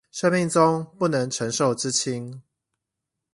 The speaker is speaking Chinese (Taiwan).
生命中不能承受之輕